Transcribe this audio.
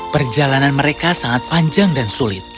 perjalanan mereka sangat panjang dan sulit